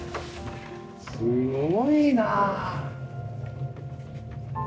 すごいなあ。